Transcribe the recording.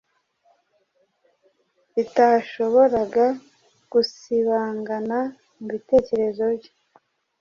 bitashoboraga gusibangana mu bitekerezo bye.